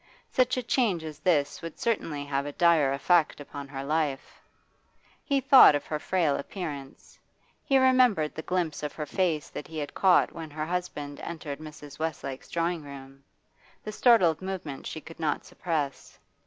Such a change as this would certainly have a dire effect upon her life. He thought of her frail appearance; he remembered the glimpse of her face that he had caught when her husband entered Mrs. Westlake's drawing room, the startled movement she could not suppress.